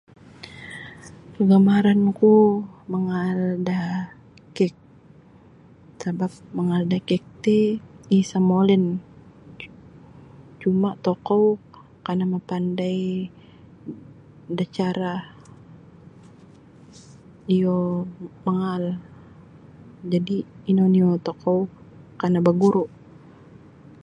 Kagamaran ku mangaal da kek sabab mangaal da kek ti isa molin cuma tokou kana mapandai da cara iyo mangaal jadi ino nio tokou kana baguru.